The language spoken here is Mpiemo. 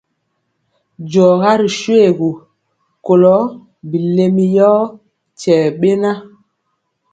Diɔga ri shoégu, kɔlo bilɛmi yor tyebɛna.